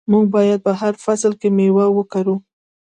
موږ باید په هر فصل کې میوه وکرو.